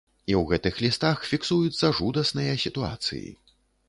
І ў гэтых лістах фіксуюцца жудасныя сітуацыі.